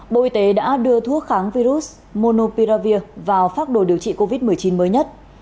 bộ y tế đã đưa thuốc kháng virus monopiravir vào phác đồ điều trị covid một mươi chín mới nhất